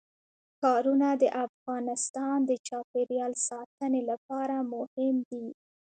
ښارونه د افغانستان د چاپیریال ساتنې لپاره مهم دي.